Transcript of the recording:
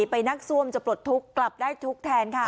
ไปนักซ่วมจะปลดทุกข์กลับได้ทุกข์แทนค่ะ